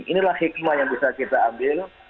inilah hikmah yang bisa kita ambil